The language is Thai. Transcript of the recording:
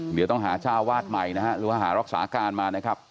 เดี๋ยวต้องหาเจ้าวาดใหม่นะฮะหรือว่าหารักษาการมานะครับ